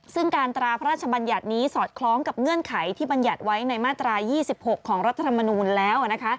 ซึ่งการตราพระราชบัญญัตินี้สอดคล้องกับเงื่อนไขที่บรรยัติไว้ในมาตรา๒๖ของรัฐธรรมนูลแล้ว